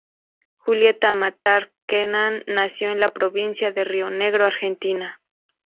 Julieta Matar Kenan nació en la provincia de Río Negro, Argentina.